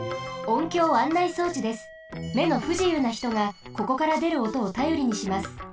めのふじゆうなひとがここからでるおとをたよりにします。